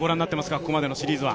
ここまでのシリーズは。